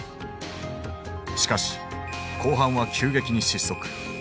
しかし後半は急激に失速。